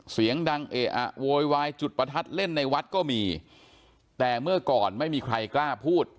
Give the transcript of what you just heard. เสียงดังเอะอะโวยวายจุดประทัดเล่นในวัดก็มีแต่เมื่อก่อนไม่มีใครกล้าพูด